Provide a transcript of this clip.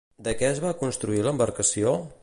De què es va construir l'embarcació?